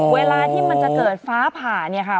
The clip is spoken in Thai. เวลาที่มันจะเกิดฟ้าผ่าเนี่ยค่ะ